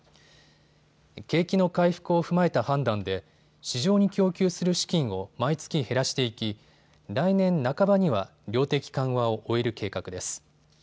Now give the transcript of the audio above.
景気の回復を踏まえた判断で市場に供給する資金を毎月減らしていき来年半ばには量的緩和を終える計画です。